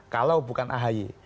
kalau bukan ahi